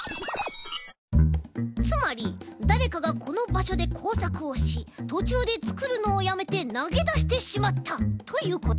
つまりだれかがこのばしょでこうさくをしとちゅうでつくるのをやめてなげだしてしまったということです。